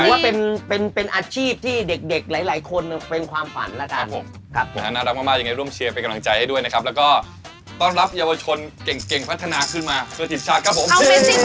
หรือว่าเป็นอาชีพที่เด็กหลายคนเป็นความฝันละกันครับผมครับน่ารักมากยังไงร่วมเชียร์เป็นกำลังใจให้ด้วยนะครับแล้วก็ต้อนรับเยาวชนเก่งพัฒนาขึ้นมาเพื่อถิดชาติกับผมเชียร์